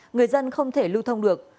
người dân không thể lưu thông được